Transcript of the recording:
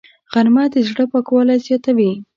غرمه د زړه پاکوالی زیاتوي